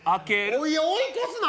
おい追い越すな！